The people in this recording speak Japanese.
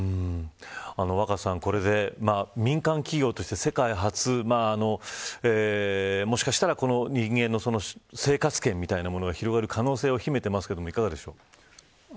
若狭さん、これで民間企業として世界初、もしかしたら人間の生活圏が広がる可能性を秘めていますが、いかがですか。